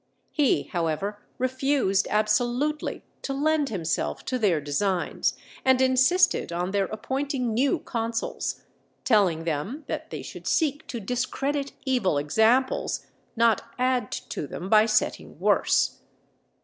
He, however, refused absolutely to lend himself to their designs, and insisted on their appointing new consuls, telling them that they should seek to discredit evil examples, not add to them by setting worse.